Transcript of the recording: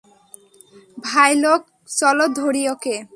ভাইলোগ, চলো ধরি ওকে।